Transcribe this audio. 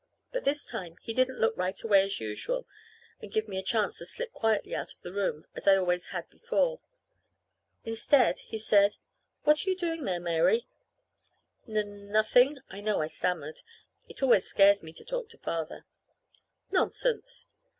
But this time he didn't look right away as usual and give me a chance to slip quietly out of the room, as I always had before. Instead he said: "What are you doing there, Mary?" "N nothing." I know I stammered. It always scares me to talk to Father. "Nonsense!"